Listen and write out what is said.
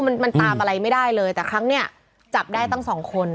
มันมันตามอะไรไม่ได้เลยแต่ครั้งเนี้ยจับได้ตั้งสองคน